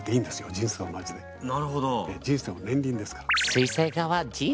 人生も年輪ですから。